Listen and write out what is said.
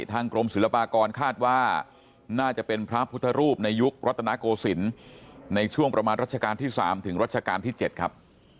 ทางกรมศิลปากรคาดว่าน่าจะเป็นพระพุทธรูปในยุครัฐนาโกศิลป์ในช่วงประมาณรัชกาลที่๓ถึงรัชกาลที่๗ครับ